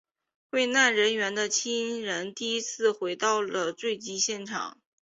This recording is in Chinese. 罹难人员的亲人第一次回到了坠机现场。